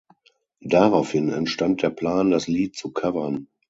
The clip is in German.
Daraufhin entstand der Plan, das Lied zu covern.